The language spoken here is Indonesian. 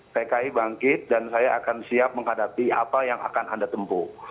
pki bangkit dan saya akan siap menghadapi apa yang akan anda tempuh